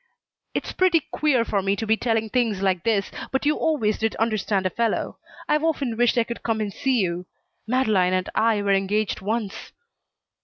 "It's pretty queer for me to be telling things like this, but you always did understand a fellow. I've often wished I could come and see you. Madeleine and I were engaged once."